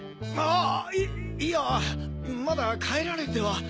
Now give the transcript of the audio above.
ああいやまだ帰られては。